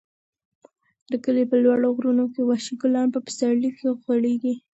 د کلي په لوړو غرونو کې وحشي ګلان په پسرلي کې غوړېږي.